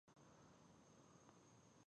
د ډایبی ایس د کولمو فعالیت خرابوي.